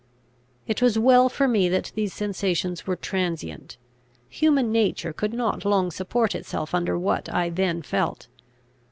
It was well for me that these sensations were transient: human nature could not long support itself under what I then felt.